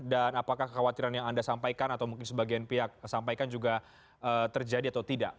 dan apakah kekhawatiran yang anda sampaikan atau mungkin sebagian pihak sampaikan juga terjadi atau tidak